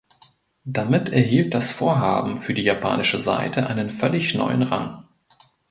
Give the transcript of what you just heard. Damit erhielt das Vorhaben für die japanische Seite einen völlig neuen Rang.